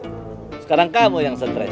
sekarang kamu yang stres